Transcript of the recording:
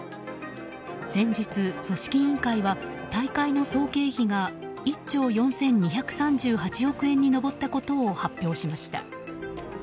先日、組織委員会は大会の総経費が１兆４２３８億円に上ったことを発表しました。